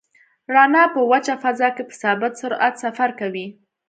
رڼا په وچه فضا کې په ثابت سرعت سفر کوي.